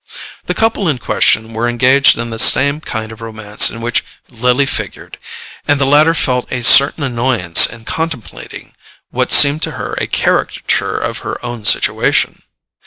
The couple in question were engaged in the same kind of romance in which Lily figured, and the latter felt a certain annoyance in contemplating what seemed to her a caricature of her own situation.